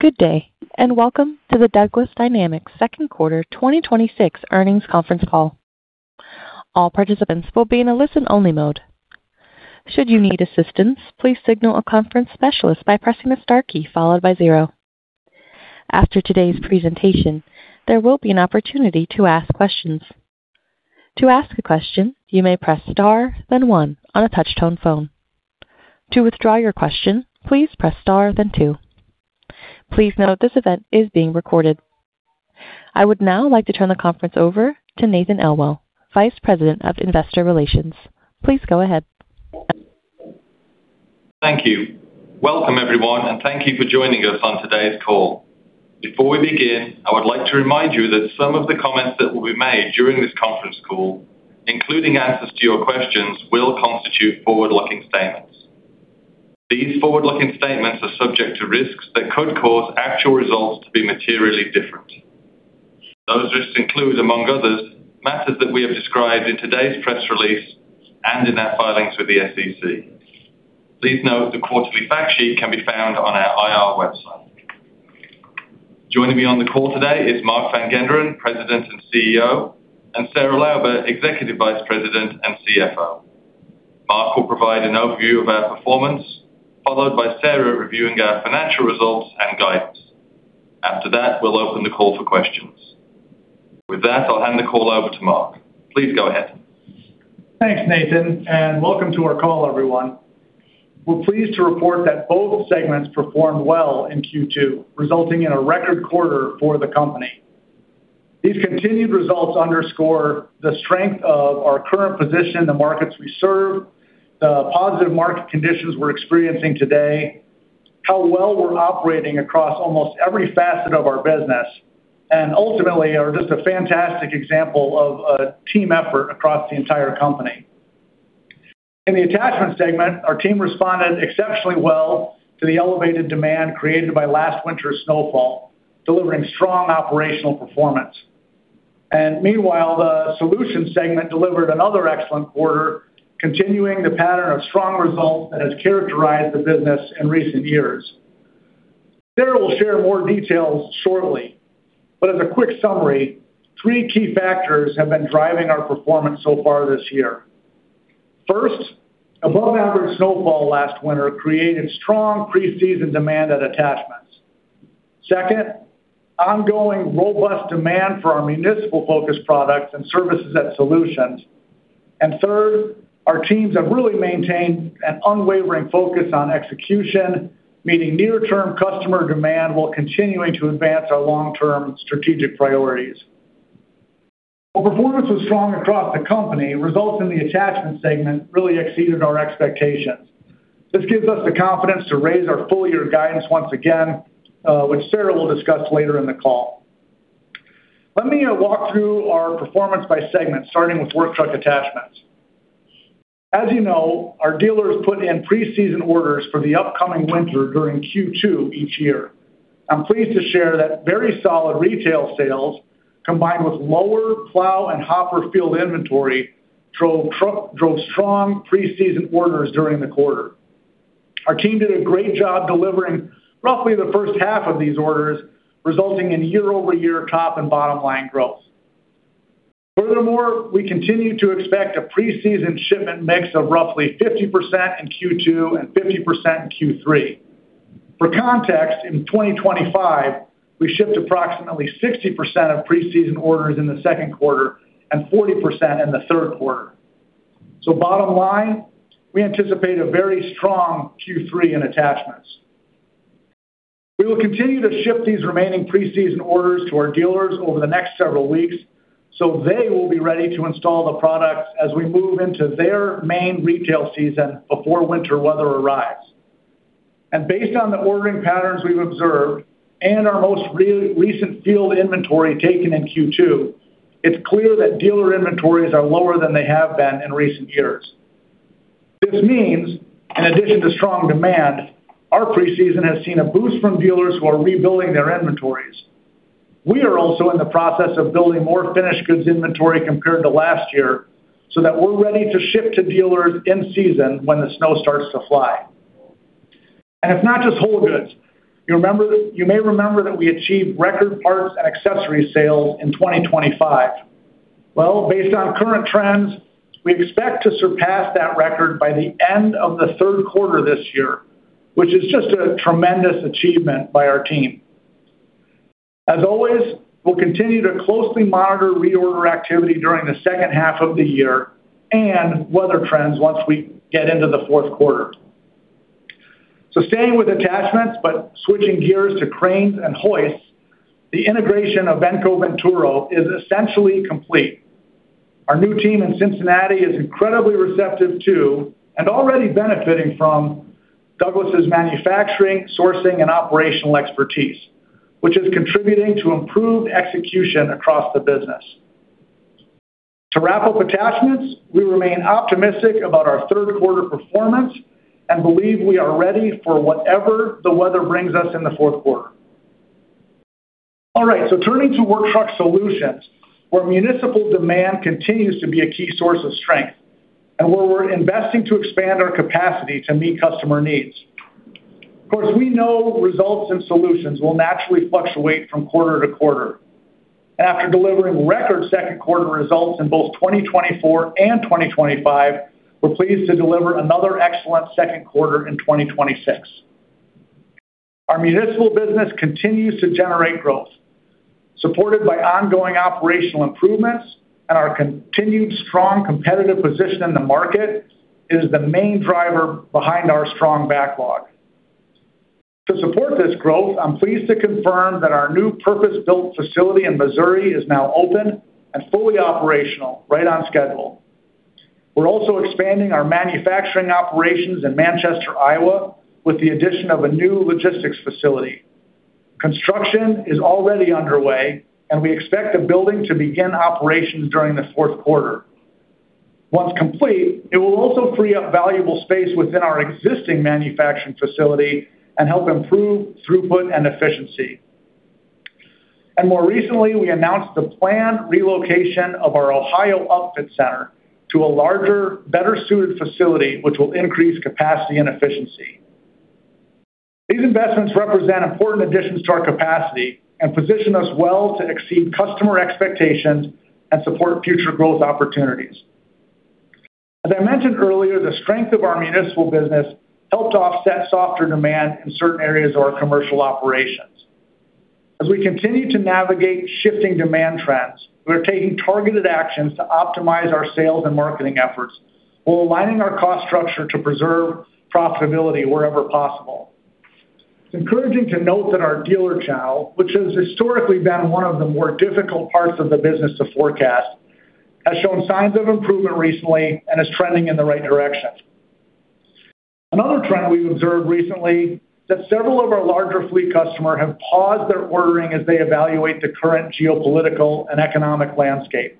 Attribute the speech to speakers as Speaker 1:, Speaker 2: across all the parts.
Speaker 1: Good day, and welcome to the Douglas Dynamics second quarter 2026 earnings conference call. All participants will be in a listen-only mode. Should you need assistance, please signal a conference specialist by pressing the star key followed by zero. After today's presentation, there will be an opportunity to ask questions. To ask a question, you may press star, then one on a touch-tone phone. To withdraw your question, please press star, then two. Please note this event is being recorded. I would now like to turn the conference over to Nathan Elwell, Vice President of Investor Relations. Please go ahead.
Speaker 2: Thank you. Welcome everyone, and thank you for joining us on today's call. Before we begin, I would like to remind you that some of the comments that will be made during this conference call, including answers to your questions, will constitute forward-looking statements. These forward-looking statements are subject to risks that could cause actual results to be materially different. Those risks include, among others, matters that we have described in today's press release and in our filings with the SEC. Please note the quarterly fact sheet can be found on our IR website. Joining me on the call today is Mark Van Genderen, President and CEO, and Sarah Lauber, Executive Vice President and CFO. Mark will provide an overview of our performance, followed by Sarah reviewing our financial results and guidance. After that, we'll open the call for questions. With that, I'll hand the call over to Mark. Please go ahead.
Speaker 3: Thanks, Nathan, and welcome to our call, everyone. We're pleased to report that both segments performed well in Q2, resulting in a record quarter for the company. These continued results underscore the strength of our current position, the markets we serve, the positive market conditions we're experiencing today, how well we're operating across almost every facet of our business, and ultimately, are just a fantastic example of a team effort across the entire company. In the attachments segment, our team responded exceptionally well to the elevated demand created by last winter's snowfall, delivering strong operational performance. Meanwhile, the solutions segment delivered another excellent quarter, continuing the pattern of strong results that has characterized the business in recent years. Sarah will share more details shortly, but as a quick summary, three key factors have been driving our performance so far this year. First, above average snowfall last winter created strong preseason demand at attachments. Second, ongoing robust demand for our municipal-focused products and services at solutions. And third, our teams have really maintained an unwavering focus on execution, meeting near-term customer demand while continuing to advance our long-term strategic priorities. While performance was strong across the company, results in the attachments segment really exceeded our expectations. This gives us the confidence to raise our full-year guidance once again, which Sarah will discuss later in the call. Let me walk through our performance by segment, starting with Work Truck Attachments. As you know, our dealers put in preseason orders for the upcoming winter during Q2 each year. I'm pleased to share that very solid retail sales, combined with lower plow and hopper field inventory, drove strong preseason orders during the quarter. Our team did a great job delivering roughly the first half of these orders, resulting in year-over-year top and bottom line growth. Furthermore, we continue to expect a preseason shipment mix of roughly 50% in Q2 and 50% in Q3. For context, in 2025, we shipped approximately 60% of preseason orders in the second quarter and 40% in the third quarter. Bottom line, we anticipate a very strong Q3 in attachments. We will continue to ship these remaining preseason orders to our dealers over the next several weeks, so they will be ready to install the products as we move into their main retail season before winter weather arrives. Based on the ordering patterns we've observed, and our most recent field inventory taken in Q2, it's clear that dealer inventories are lower than they have been in recent years. This means, in addition to strong demand, our preseason has seen a boost from dealers who are rebuilding their inventories. We are also in the process of building more finished goods inventory compared to last year, so that we're ready to ship to dealers in season when the snow starts to fly. And it's not just whole goods. You may remember that we achieved record parts and accessory sales in 2025. Well, based on current trends, we expect to surpass that record by the end of the third quarter this year, which is just a tremendous achievement by our team. As always, we'll continue to closely monitor reorder activity during the second half of the year and weather trends once we get into the fourth quarter. Staying with attachments, but switching gears to cranes and hoists, the integration of Venco Venturo is essentially complete. Our new team in Cincinnati is incredibly receptive to and already benefiting from Douglas' manufacturing, sourcing, and operational expertise, which is contributing to improved execution across the business. To wrap up attachments, we remain optimistic about our third quarter performance and believe we are ready for whatever the weather brings us in the fourth quarter. Turning to Work Truck Solutions, where municipal demand continues to be a key source of strength and where we're investing to expand our capacity to meet customer needs. Of course, we know results in solutions will naturally fluctuate from quarter-to-quarter. After delivering record second quarter results in both 2024 and 2025, we're pleased to deliver another excellent second quarter in 2026. Our municipal business continues to generate growth, supported by ongoing operational improvements and our continued strong competitive position in the market, it is the main driver behind our strong backlog. To support this growth, I'm pleased to confirm that our new purpose-built facility in Missouri is now open and fully operational, right on schedule. We're also expanding our manufacturing operations in Manchester, Iowa, with the addition of a new logistics facility. Construction is already underway, and we expect the building to begin operations during the fourth quarter. Once complete, it will also free up valuable space within our existing manufacturing facility and help improve throughput and efficiency. More recently, we announced the planned relocation of our Ohio upfit center to a larger, better-suited facility, which will increase capacity and efficiency. These investments represent important additions to our capacity and position us well to exceed customer expectations and support future growth opportunities. As I mentioned earlier, the strength of our municipal business helped to offset softer demand in certain areas of our commercial operations. As we continue to navigate shifting demand trends, we are taking targeted actions to optimize our sales and marketing efforts while aligning our cost structure to preserve profitability wherever possible. It's encouraging to note that our dealer channel, which has historically been one of the more difficult parts of the business to forecast, has shown signs of improvement recently and is trending in the right direction. Another trend we've observed recently that several of our larger fleet customers have paused their ordering as they evaluate the current geopolitical and economic landscape.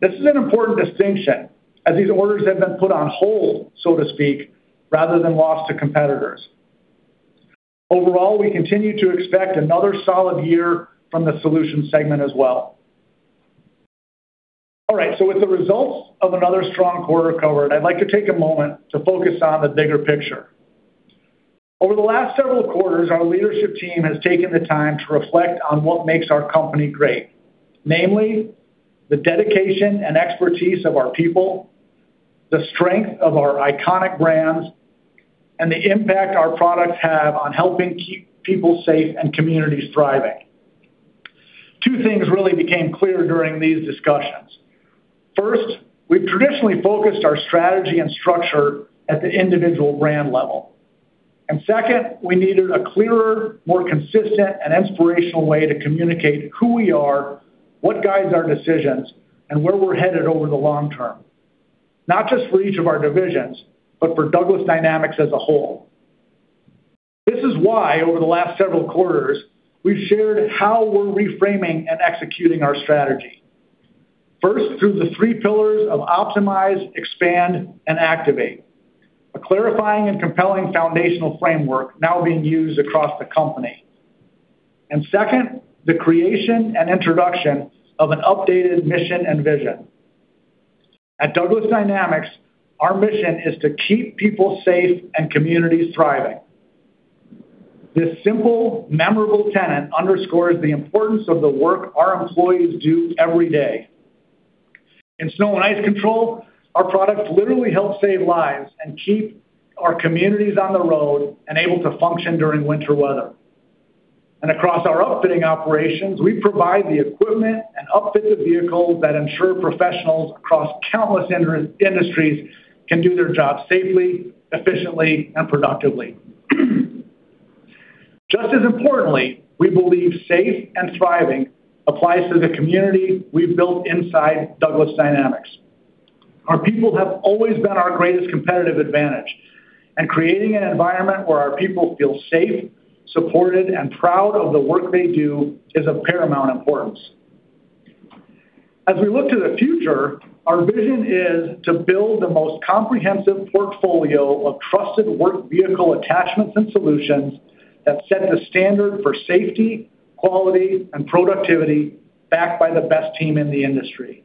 Speaker 3: This is an important distinction, as these orders have been put on hold, so to speak, rather than lost to competitors. Overall, we continue to expect another solid year from the solutions segment as well. All right, so, with the results of another strong quarter covered, I'd like to take a moment to focus on the bigger picture. Over the last several quarters, our leadership team has taken the time to reflect on what makes our company great, namely, the dedication and expertise of our people, the strength of our iconic brands, and the impact our products have on helping keep people safe and communities thriving. Two things really became clear during these discussions. First, we've traditionally focused our strategy and structure at the individual brand level. And second, we needed a clearer, more consistent, and inspirational way to communicate who we are, what guides our decisions, and where we're headed over the long term, not just for each of our divisions, but for Douglas Dynamics as a whole. This is why, over the last several quarters, we've shared how we're reframing and executing our strategy. First, through the three pillars of optimize, expand, and activate, a clarifying and compelling foundational framework now being used across the company. And second, the creation and introduction of an updated mission and vision. At Douglas Dynamics, our mission is to keep people safe and communities thriving. This simple, memorable tenet underscores the importance of the work our employees do every day. In snow and ice control, our products literally help save lives and keep our communities on the road and able to function during winter weather. Across our upfitting operations, we provide the equipment and upfit the vehicles that ensure professionals across countless industries can do their jobs safely, efficiently, and productively. Just as importantly, we believe safe and thriving applies to the community we've built inside Douglas Dynamics. Our people have always been our greatest competitive advantage, and creating an environment where our people feel safe, supported, and proud of the work they do is of paramount importance. As we look to the future, our vision is to build the most comprehensive portfolio of trusted work vehicle attachments and solutions that set the standard for safety, quality, and productivity backed by the best team in the industry.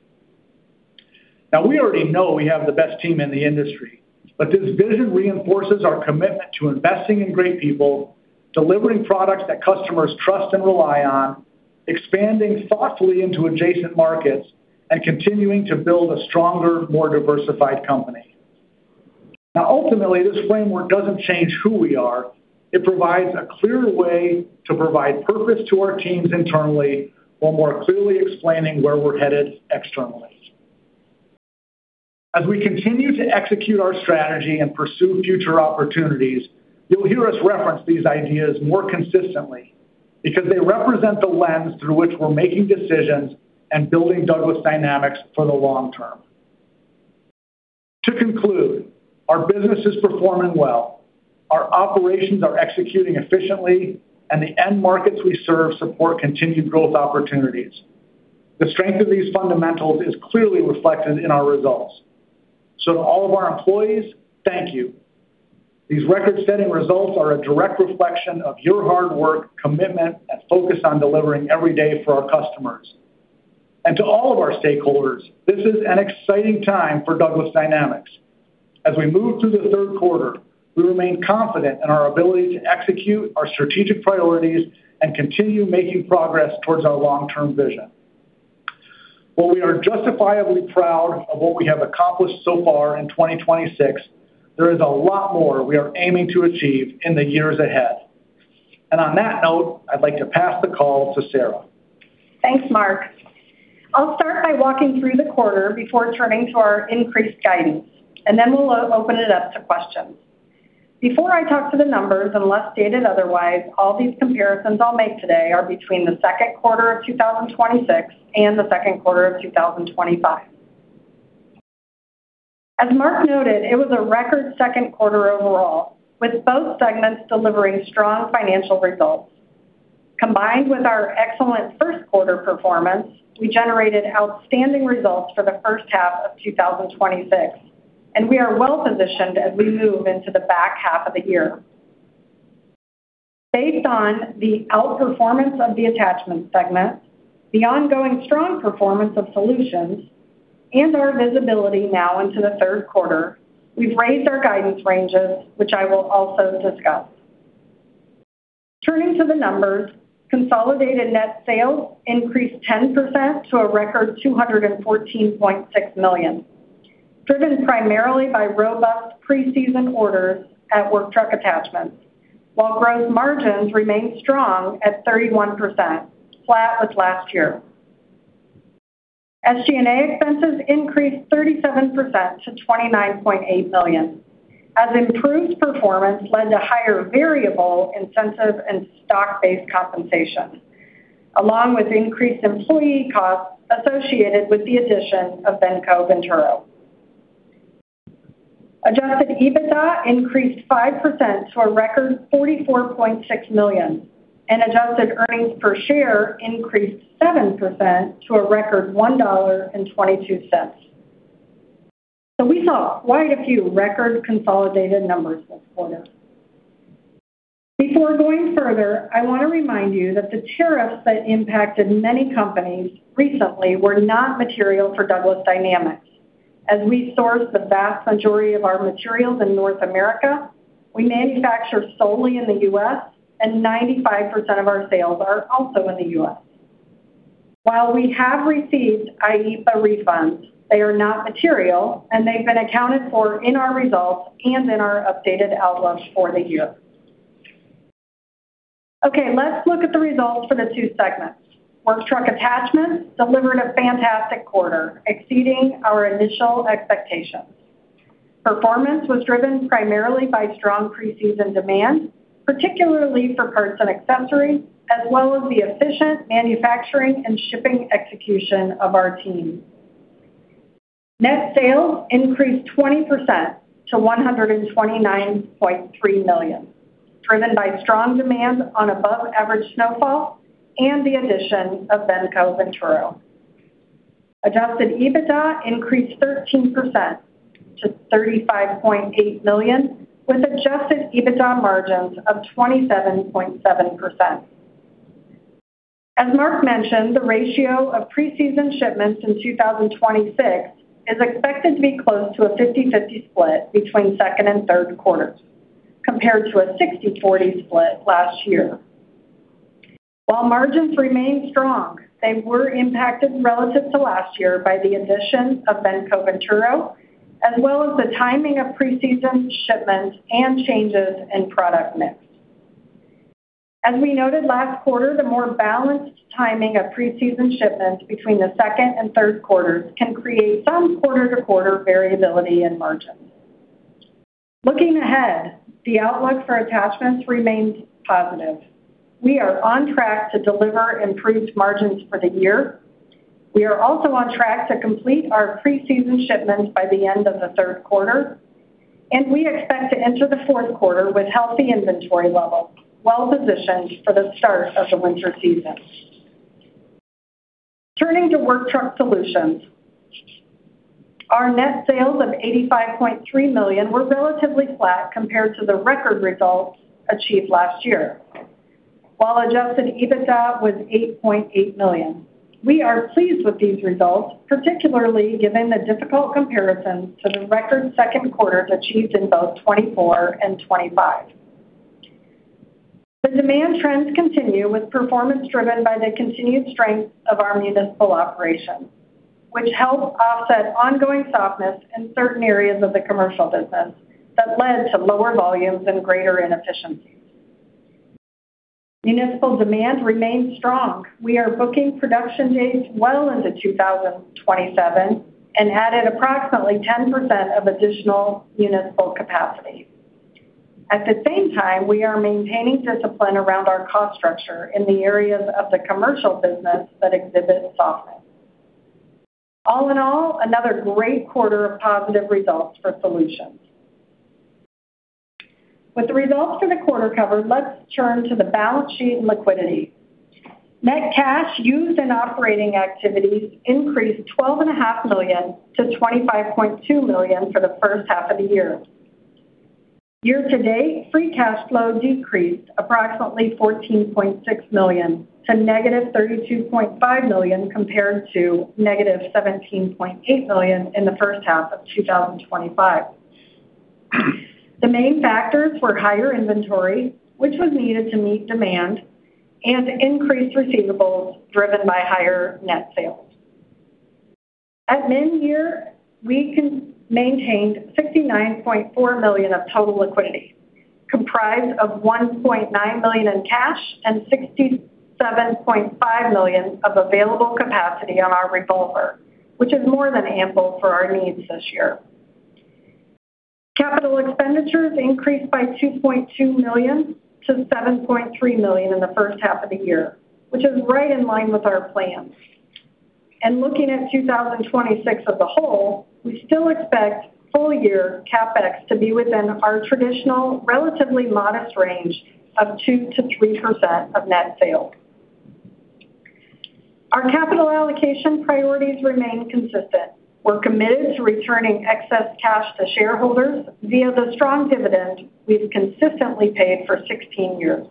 Speaker 3: We already know we have the best team in the industry, but this vision reinforces our commitment to investing in great people, delivering products that customers trust and rely on, expanding thoughtfully into adjacent markets, and continuing to build a stronger, more diversified company. Ultimately, this framework doesn't change who we are. It provides a clearer way to provide purpose to our teams internally while more clearly explaining where we're headed externally. As we continue to execute our strategy and pursue future opportunities, you'll hear us reference these ideas more consistently because they represent the lens through which we're making decisions and building Douglas Dynamics for the long term. To conclude, our business is performing well, our operations are executing efficiently, and the end markets we serve support continued growth opportunities. The strength of these fundamentals is clearly reflected in our results. To all of our employees, thank you. These record-setting results are a direct reflection of your hard work, commitment, and focus on delivering every day for our customers. And to all of our stakeholders, this is an exciting time for Douglas Dynamics. As we move through the third quarter, we remain confident in our ability to execute our strategic priorities and continue making progress towards our long-term vision. While we are justifiably proud of what we have accomplished so far in 2026, there is a lot more we are aiming to achieve in the years ahead. On that note, I'd like to pass the call to Sarah.
Speaker 4: Thanks, Mark. I'll start by walking through the quarter before turning to our increased guidance, and then we'll open it up to questions. Before I talk to the numbers, unless stated otherwise, all these comparisons I'll make today are between the second quarter of 2026 and the second quarter of 2025. As Mark noted, it was a record second quarter overall, with both segments delivering strong financial results. Combined with our excellent first quarter performance, we generated outstanding results for the first half of 2026, and we are well-positioned as we move into the back half of the year. Based on the outperformance of the attachments segment, the ongoing strong performance of solutions, and our visibility now into the third quarter, we've raised our guidance ranges, which I will also discuss. Turning to the numbers, consolidated net sales increased 10% to a record $214.6 million, driven primarily by robust preseason orders at Work Truck Attachments, while gross margins remained strong at 31%, flat with last year. SG&A expenses increased 37% to $29.8 million as improved performance led to higher variable incentive and stock-based compensation, along with increased employee costs associated with the addition of Venco Venturo. Adjusted EBITDA increased 5% to a record $44.6 million and adjusted earnings per share increased 7% to a record $1.22. We saw quite a few record consolidated numbers this quarter. Before going further, I want to remind you that the tariffs that impacted many companies recently were not material for Douglas Dynamics as we source the vast majority of our materials in North America, we manufacture solely in the U.S., and 95% of our sales are also in the U.S. While we have received IEEPA refunds, they are not material and they've been accounted for in our results and in our updated outlook for the year. Let's look at the results for the two segments. Work Truck Attachments delivered a fantastic quarter, exceeding our initial expectations. Performance was driven primarily by strong preseason demand, particularly for parts and accessories, as well as the efficient manufacturing and shipping execution of our team. Net sales increased 20% to $129.3 million, driven by strong demand on above average snowfall and the addition of Venco Venturo. Adjusted EBITDA increased 13% to $35.8 million with adjusted EBITDA margins of 27.7%. As Mark mentioned, the ratio of preseason shipments in 2026 is expected to be close to a 50/50 split between second and third quarters compared to a 60/40 split last year. While margins remained strong, they were impacted relative to last year by the addition of Venco Venturo as well as the timing of preseason shipments and changes in product mix. As we noted last quarter, the more balanced timing of preseason shipments between the second and third quarters can create some quarter-to-quarter variability in margins. Looking ahead, the outlook for attachments remains positive. We are on track to deliver improved margins for the year. We are also on track to complete our preseason shipments by the end of the third quarter, and we expect to enter the fourth quarter with healthy inventory levels, well-positioned for the start of the winter season. Turning to Work Truck Solutions, our net sales of $85.3 million were relatively flat compared to the record results achieved last year. While adjusted EBITDA was $8.8 million. We are pleased with these results, particularly given the difficult comparisons to the record second quarters achieved in both 2024 and 2025. The demand trends continue with performance driven by the continued strength of our municipal operations, which help offset ongoing softness in certain areas of the commercial business that led to lower volumes and greater inefficiencies. Municipal demand remains strong. We are booking production dates well into 2027 and added approximately 10% of additional municipal capacity. At the same time, we are maintaining discipline around our cost structure in the areas of the commercial business that exhibit softness. All in all, another great quarter of positive results for solutions. With the results for the quarter covered, let's turn to the balance sheet and liquidity. Net cash used in operating activities increased $12.5 million to $25.2 million for the first half of the year. Year-to-date, free cash flow decreased approximately $14.6 million to -$32.5 million compared to -$17.8 million in the first half of 2025. The main factors were higher inventory, which was needed to meet demand, and increased receivables driven by higher net sales. At mid-year, we maintained $69.4 million of total liquidity, comprised of $1.9 million in cash and $67.5 million of available capacity on our revolver, which is more than ample for our needs this year. Capital expenditures increased by $2.2 million to $7.3 million in the first half of the year, which is right in line with our plans. Looking at 2026 as a whole, we still expect full year CapEx to be within our traditional, relatively modest range of 2%-3% of net sales. Our capital allocation priorities remain consistent. We're committed to returning excess cash to shareholders via the strong dividend we've consistently paid for 16 years.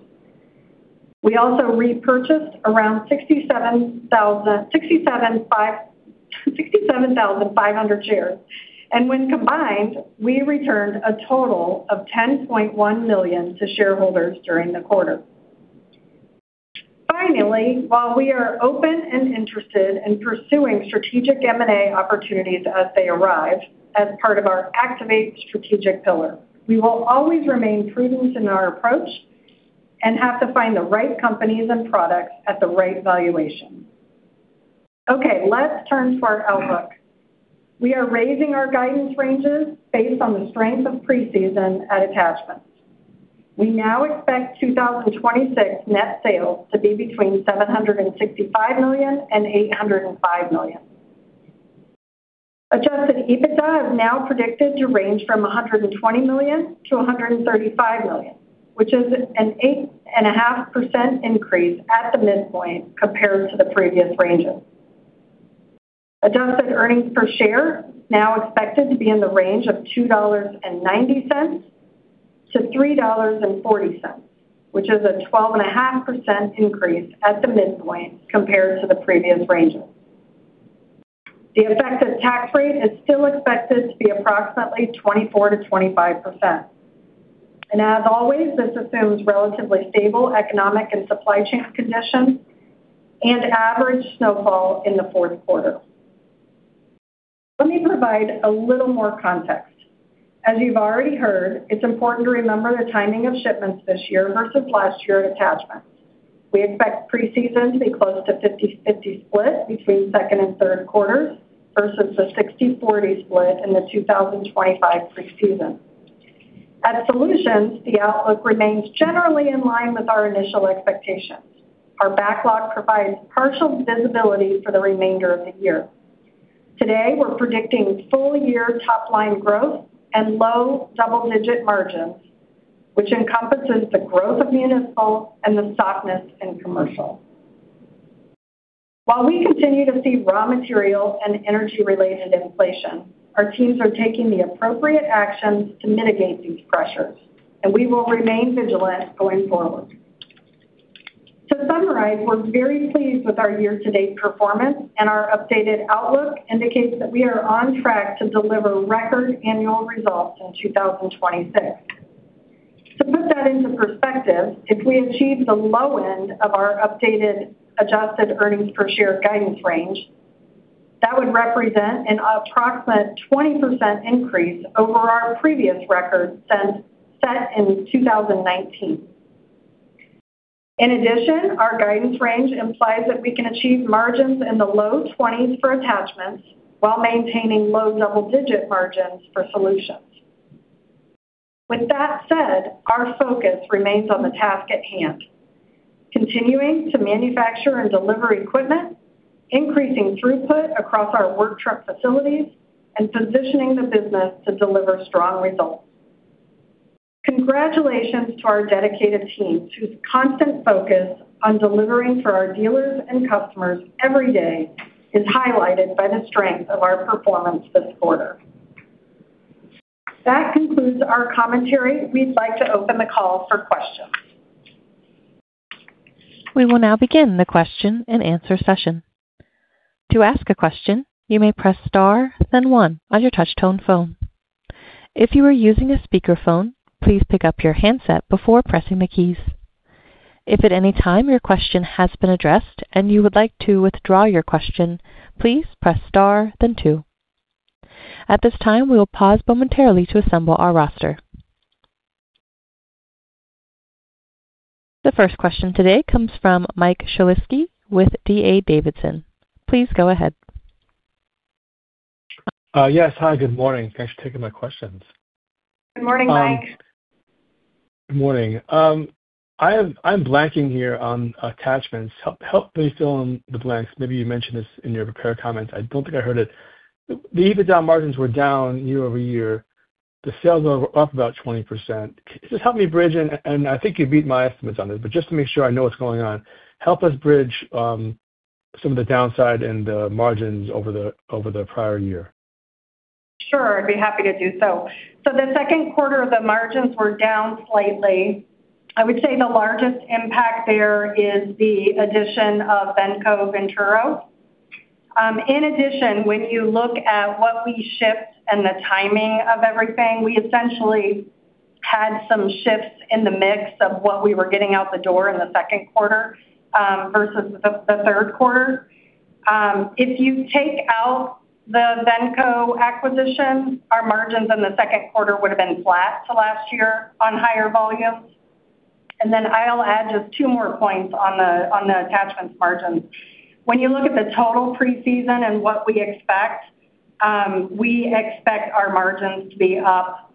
Speaker 4: We also repurchased around 67,500 shares, and when combined, we returned a total of $10.1 million to shareholders during the quarter. Finally, while we are open and interested in pursuing strategic M&A opportunities as they arrive, as part of our activate strategic pillar, we will always remain prudent in our approach and have to find the right companies and products at the right valuation. Okay, let's turn to our outlook. We are raising our guidance ranges based on the strength of preseason at attachments. We now expect 2026 net sales to be between $765 million and $805 million. Adjusted EBITDA is now predicted to range from $120 million-$135 million, which is an 8.5% increase at the midpoint compared to the previous ranges. Adjusted earnings per share now expected to be in the range of $2.90-$3.40, which is a 12.5% increase at the midpoint compared to the previous ranges. The effective tax rate is still expected to be approximately 24%-25%. As always, this assumes relatively stable economic and supply chain conditions and average snowfall in the fourth quarter. Let me provide a little more context. As you've already heard, it's important to remember the timing of shipments this year versus last year attachments. We expect preseason to be close to 50/50 split between second and third quarters versus the 60/40 split in the 2025 preseason. At solutions, the outlook remains generally in line with our initial expectations. Our backlog provides partial visibility for the remainder of the year. Today, we're predicting full year top line growth and low double-digit margins, which encompasses the growth of municipal and the softness in commercial. While we continue to see raw material and energy-related inflation, our teams are taking the appropriate actions to mitigate these pressures, and we will remain vigilant going forward. To summarize, we're very pleased with our year-to-date performance, and our updated outlook indicates that we are on track to deliver record annual results in 2026. To put that into perspective, if we achieve the low end of our updated adjusted earnings per share guidance range, that would represent an approximate 20% increase over our previous record set in 2019. In addition, our guidance range implies that we can achieve margins in the low 20s for attachments while maintaining low double-digit margins for solutions. With that said, our focus remains on the task at hand, continuing to manufacture and deliver equipment, increasing throughput across our work truck facilities, and positioning the business to deliver strong results. Congratulations to our dedicated teams, whose constant focus on delivering for our dealers and customers every day is highlighted by the strength of our performance this quarter. That concludes our commentary. We'd like to open the call for questions.
Speaker 1: We will now begin the question-and-answer session. To ask a question, you may press star, then one on your touch-tone phone. If you are using a speakerphone, please pick up your handset before pressing the keys. If at any time your question has been addressed and you would like to withdraw your question, please press star then two. At this time, we will pause momentarily to assemble our roster. The first question today comes from Mike Shlisky with D.A. Davidson. Please go ahead.
Speaker 5: Yes. Hi, good morning. Thanks for taking my questions.
Speaker 4: Good morning, Mike.
Speaker 5: Good morning. I'm blanking here on attachments. Help me fill in the blanks. Maybe you mentioned this in your prepared comments. I don't think I heard it. The EBITDA margins were down year-over-year. The sales are up about 20%. Help me bridge, and I think you beat my estimates on this, just to make sure I know what's going on, help us bridge some of the downside in the margins over the prior year.
Speaker 4: Sure, I'd be happy to do so. The second quarter, the margins were down slightly. I would say, the largest impact there is the addition of Venco Venturo. In addition, when you look at what we shipped and the timing of everything, we essentially had some shifts in the mix of what we were getting out the door in the second quarter versus the third quarter. If you take out the Venco acquisition, our margins in the second quarter would've been flat to last year on higher volumes. Then, I'll add just two more points on the attachments margins. When you look at the total preseason and what we expect, we expect our margins to be up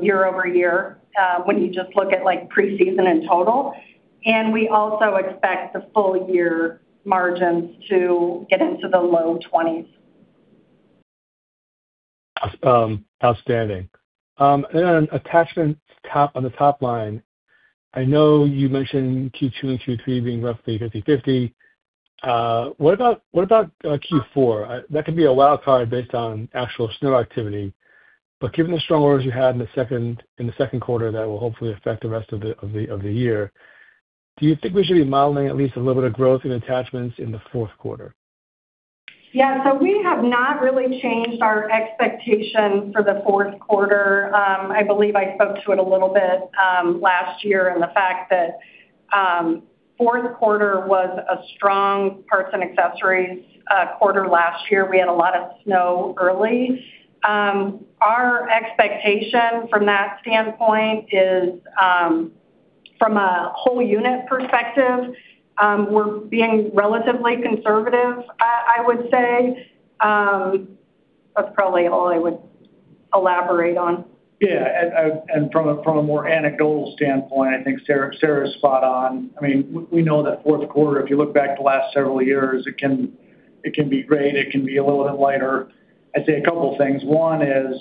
Speaker 4: year-over-year, when you just look at preseason in total, and we also expect the full year margins to get into the low 20s.
Speaker 5: Outstanding. On attachments on the top line, I know you mentioned Q2 and Q3 being roughly 50/50. What about Q4? That could be a wild card based on actual snow activity. But given the strong orders you had in the second quarter, that will hopefully affect the rest of the year. Do you think we should be modeling at least a little bit of growth in attachments in the fourth quarter?
Speaker 4: Yeah. We have not really changed our expectation for the fourth quarter. I believe I spoke to it a little bit last year and the fact that fourth quarter was a strong parts and accessories quarter last year. We had a lot of snow early. Our expectation from that standpoint is, from a whole unit perspective, we're being relatively conservative, I would say. That's probably all I would elaborate on.
Speaker 3: Yeah. From a more anecdotal standpoint, I think Sarah is spot on. We know that fourth quarter, if you look back the last several years, it can be great, it can be a little bit lighter. I'd say a couple things. One is,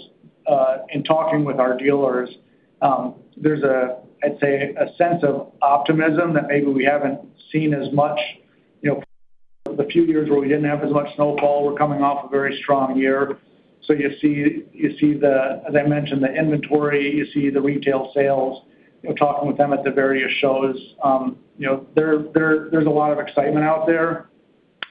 Speaker 3: in talking with our dealers, there's a, I'd say, a sense of optimism that maybe we haven't seen as much the few years where we didn't have as much snowfall. We're coming off a very strong year, so you see the, as I mentioned, the inventory, you see the retail sales, talking with them at the various shows. There's a lot of excitement out there.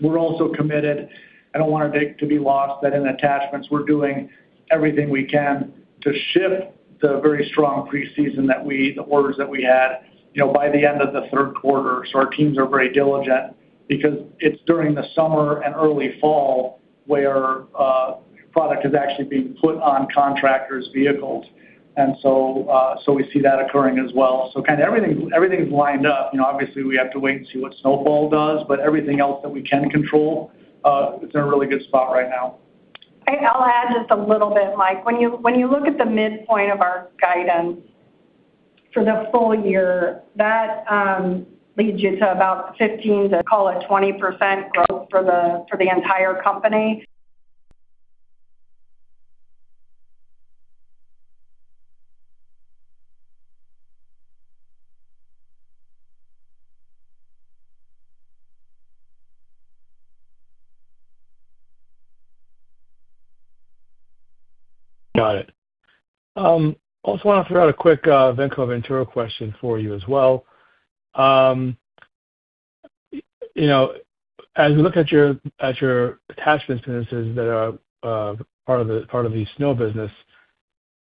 Speaker 3: We're also committed, I don't want it to be lost, that in attachments, we're doing everything we can to ship the very strong preseason, the orders that we had, by the end of the third quarter. Our teams are very diligent because it's during the summer and early fall where product is actually being put on contractors' vehicles. We see that occurring as well. So, kind of everything's lined up. Obviously, we have to wait and see what snowfall does, but everything else that we can control, it's in a really good spot right now.
Speaker 4: I'll add just a little bit, Mike. When you look at the midpoint of our guidance for the full year, that leads you to about 15%-20% growth for the entire company.
Speaker 5: Got it. Also, want to throw out a quick Venco Venturo question for you as well. As we look at your attachments instances that are part of the snow business,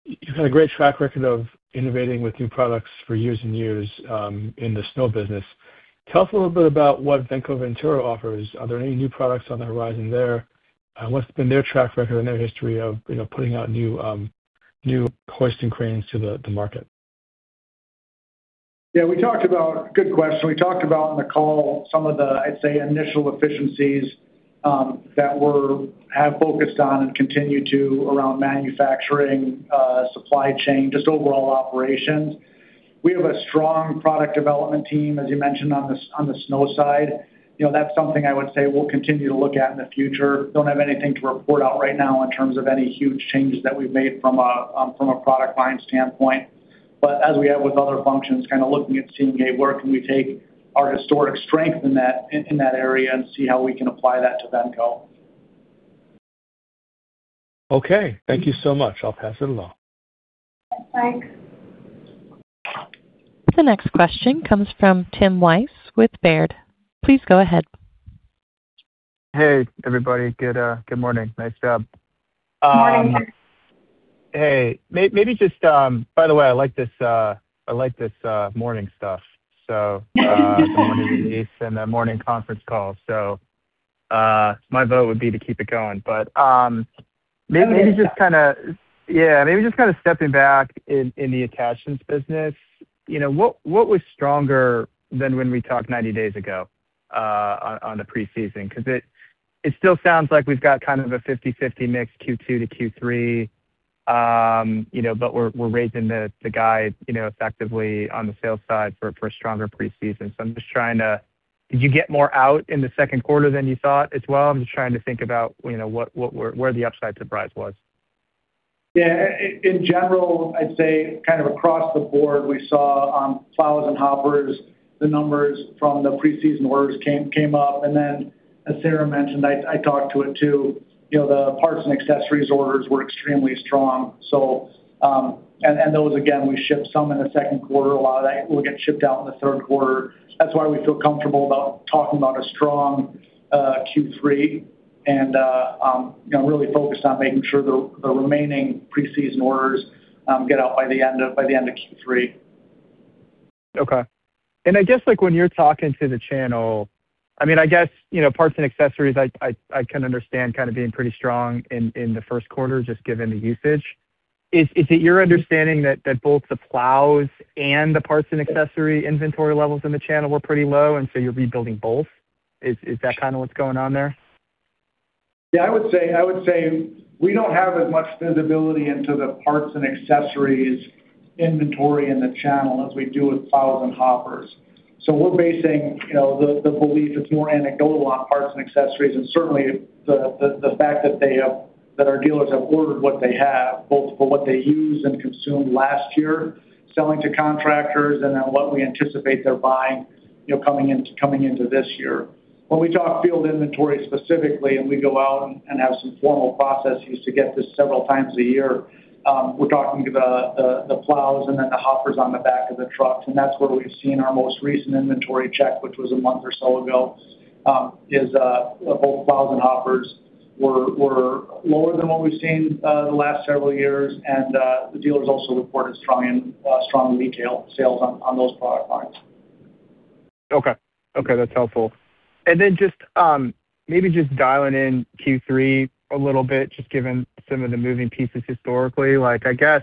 Speaker 5: you've had a great track record of innovating with new products for years and years in the snow business. Tell us a little bit about what Venco Venturo offers. Are there any new products on the horizon there? What's been their track record and their history of putting out new hoisting cranes to the market?
Speaker 3: Yeah, good question. We talked about on the call some of the, I'd say, initial efficiencies that we're have focused on and continue to around manufacturing, supply chain, just overall operations. We have a strong product development team, as you mentioned, on the snow side. That's something I would say we'll continue to look at in the future. Don't have anything to report out right now in terms of any huge changes that we've made from a product line standpoint. But as we have with other functions, kind of looking at seeing, "Hey, where can we take our historic strength in that area and see how we can apply that to Venco?"
Speaker 5: Okay. Thank you so much. I'll pass it along.
Speaker 4: Thanks.
Speaker 1: The next question comes from Tim Wojs with Baird. Please go ahead.
Speaker 6: Hey, everybody. Good morning. Nice job.
Speaker 4: Morning.
Speaker 6: Hey, by the way, I like this morning stuff, morning release and the morning conference call. My vote would be to keep it going.
Speaker 4: I like it.
Speaker 6: But maybe, just kind of stepping back in the attachments business. What was stronger than when we talked 90 days ago on the preseason? It still sounds like we've got kind of a 50/50 mix, Q2 to Q3, but we're raising the guide effectively on the sales side for a stronger preseason. I'm just trying to, did you get more out in the second quarter than you thought as well? I'm just trying to think about where the upside surprise was.
Speaker 3: Yeah. In general, I'd say across the board, we saw on plows and hoppers, the numbers from the preseason orders came up. Then, as Sarah mentioned, I talked to it too, the parts and accessories orders were extremely strong. Those, again, we shipped some in the second quarter. A lot of that will get shipped out in the third quarter. That's why we feel comfortable about talking about a strong Q3 and really focused on making sure the remaining preseason orders get out by the end of Q3.
Speaker 6: Okay. I guess when you're talking to the channel, I mean, I guess, parts and accessories, I can understand being pretty strong in the first quarter, just given the usage. Is it your understanding that both the plows and the parts and accessories inventory levels in the channel were pretty low, and so you're rebuilding both? Is that kind of what's going on there?
Speaker 3: Yeah, I would say we don't have as much visibility into the parts and accessories inventory in the channel as we do with plows and hoppers. We're basing the belief, it's more anecdotal on parts and accessories, and certainly the fact that our dealers have ordered what they have, both for what they used and consumed last year, selling to contractors, and then what we anticipate they're buying coming into this year. When we talk field inventory specifically, and we go out and have some formal processes to get this several times a year, we're talking the plows and then the hoppers on the back of the trucks, and that's where we've seen our most recent inventory check, which was a month or so ago, is both plows and hoppers were lower than what we've seen the last several years. The dealers also reported strong retail sales on those product lines.
Speaker 6: Okay. That's helpful. Just maybe just dialing in Q3 a little bit, just given some of the moving pieces historically, I guess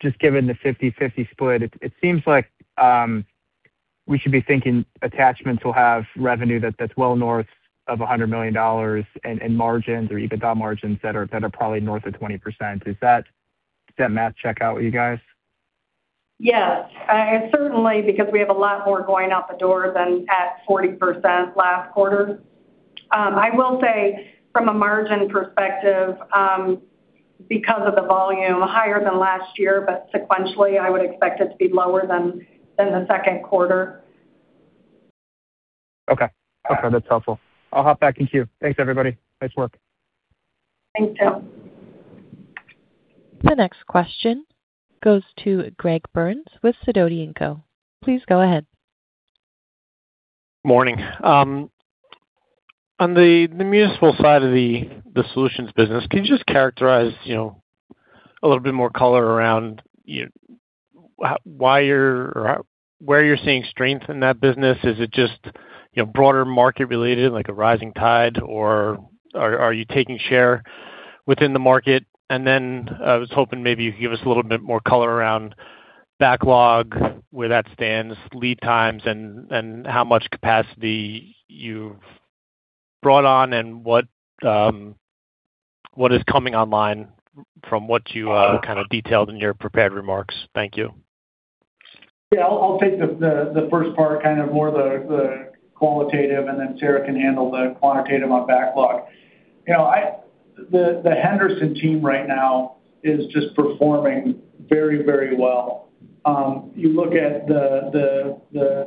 Speaker 6: just given the 50/50 split, it seems like we should be thinking attachments will have revenue that's well north of $100 million and margins or EBITDA margins that are probably north of 20%. Does that math check out with you guys?
Speaker 4: Yes. Certainly, because we have a lot more going out the door than at 40% last quarter. I will say, from a margin perspective, because of the volume, higher than last year, but sequentially, I would expect it to be lower than the second quarter.
Speaker 6: Okay. That's helpful. I'll hop back in queue. Thanks, everybody. Nice work.
Speaker 4: Thanks, Tim.
Speaker 1: The next question goes to Greg Burns with Sidoti & Co. Please go ahead.
Speaker 7: Morning. On the municipal side of the solutions business, can you just characterize a little bit more color around where you're seeing strength in that business? Is it just broader market related, like a rising tide, or are you taking share within the market? Then, I was hoping maybe you could give us a little bit more color around backlog, where that stands, lead times, and how much capacity you've brought on, and what is coming online from what you detailed in your prepared remarks. Thank you.
Speaker 3: I'll take the first part, kind of more the qualitative, and then Sarah can handle the quantitative on backlog. The Henderson team right now is just performing very, very well. You look at the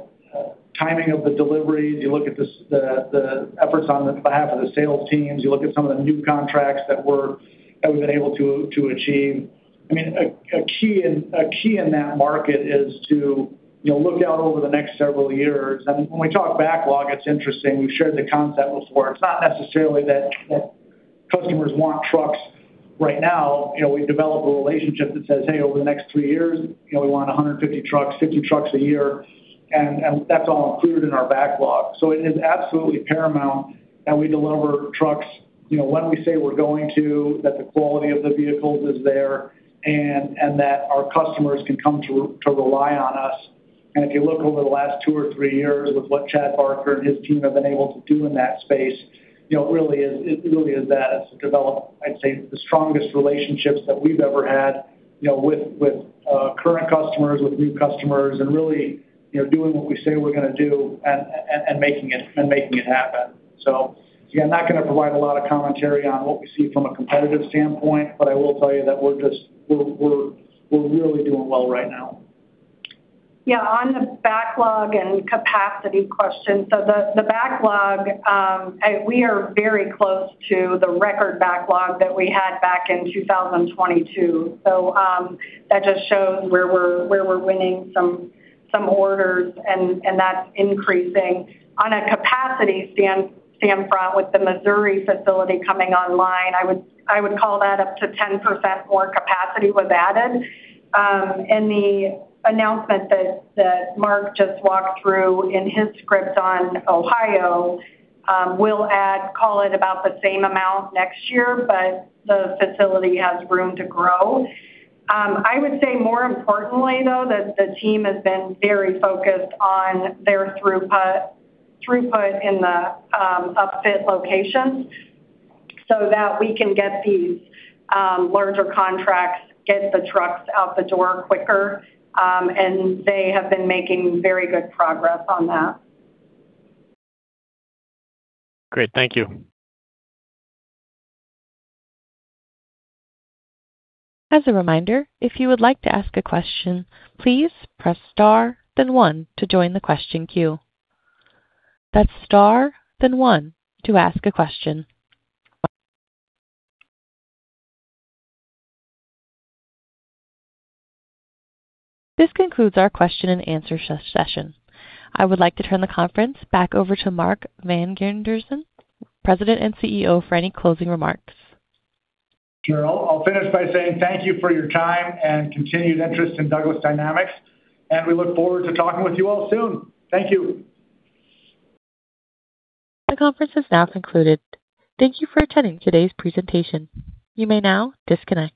Speaker 3: timing of the deliveries, you look at the efforts on the behalf of the sales teams, you look at some of the new contracts that we've been able to achieve. A key in that market is to look out over the next several years. When we talk backlog, it's interesting. We've shared the concept before. It's not necessarily that customers want trucks right now. We develop a relationship that says, "Hey, over the next three years, we want 150 trucks, 50 trucks a year." And that's all included in our backlog. So, it is absolutely paramount that we deliver trucks when we say we're going to, that the quality of the vehicles is there, and that our customers can come to rely on us. If you look over the last two or three years with what Chad Barker and his team have been able to do in that space, it really is that. It's developed, I'd say, the strongest relationships that we've ever had with current customers, with new customers, and really doing what we say we're going to do and making it happen. Again, not going to provide a lot of commentary on what we see from a competitive standpoint, but I will tell you that we're really doing well right now.
Speaker 4: On the backlog and capacity question. The backlog, we are very close to the record backlog that we had back in 2022. That just shows where we're winning some orders, and that's increasing. On a capacity standpoint with the Missouri facility coming online, I would call that up to 10% more capacity was added. The announcement that Mark just walked through in his script on Ohio will add, call it about the same amount next year, but the facility has room to grow. I would say more importantly, though, that the team has been very focused on their throughput in the upfit locations so that we can get these larger contracts, get the trucks out the door quicker. And they have been making very good progress on that.
Speaker 7: Great. Thank you.
Speaker 1: As a reminder, if you would like to ask a question, please press star then one to join the question queue. That's star then one to ask a question. This concludes our question-and-answer session. I would like to turn the conference back over to Mark Van Genderen, President and CEO, for any closing remarks.
Speaker 3: Sure. I'll finish by saying thank you for your time and continued interest in Douglas Dynamics, and we look forward to talking with you all soon. Thank you.
Speaker 1: The conference is now concluded. Thank you for attending today's presentation. You may now disconnect.